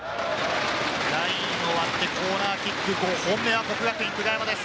ラインを割ってコーナーキック、５本目は國學院久我山です。